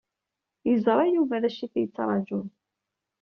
Yeẓra Yuba d acu i t-yettrajun.